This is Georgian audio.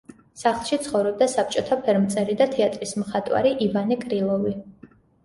სახლში ცხოვრობდა საბჭოთა ფერმწერი და თეატრის მხატვარი ივანე კრილოვი.